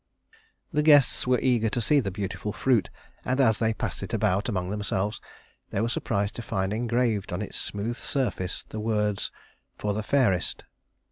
The guests were eager to see the beautiful fruit, and as they passed it about among themselves they were surprised to find engraved on its smooth surface the words "For the Fairest."